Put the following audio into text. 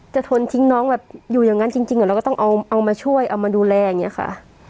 ทนทิ้งน้องแบบอยู่อย่างนั้นจริงเราก็ต้องเอามาช่วยเอามาดูแลอย่างนี้ค่ะ